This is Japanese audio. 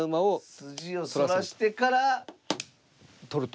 筋をそらしてから取ると。